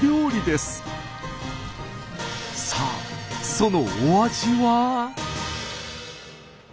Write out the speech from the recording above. さあそのお味は？